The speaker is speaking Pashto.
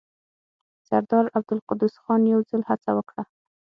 سردار عبدالقدوس خان يو ځل هڅه وکړه.